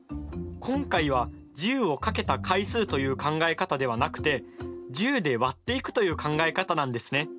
今回は１０をかけた回数という考え方ではなくて１０で割っていくという考え方なんですね。